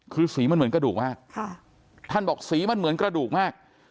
คือสีมันเหมือนกระดูกมากท่านบอกสีมันเหมือนกระดูกมาก